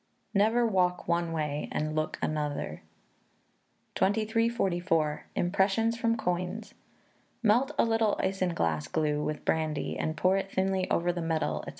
[NEVER WALK ONE WAY AND LOOK ANOTHER.] 2344. Impressions from Coins. Melt a little isinglass glue with brandy, and pour it thinly over the medal, &c.